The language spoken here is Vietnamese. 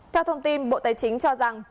theo thông tin bộ tài chính cho rằng